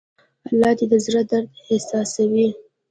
الله د زړه درد احساسوي.